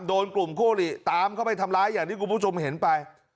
โดนกลุ่มคู่หลีตามเข้าไปทำร้ายอย่างที่คุณผู้ชมเห็นไป